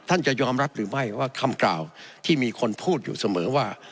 จะยอมรับหรือไม่ว่าคำกล่าวที่มีคนพูดอยู่เสมอว่า